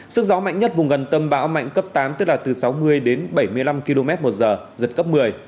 sức gió mạnh nhất vùng gần tâm bão mạnh cấp tám tức là từ sáu mươi đến bảy mươi năm km một giờ giật cấp một mươi